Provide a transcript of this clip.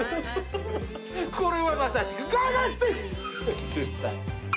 これはまさしく。